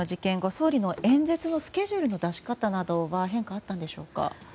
総理の演説のスケジュールの出し方などは変化はあったんでしょうか？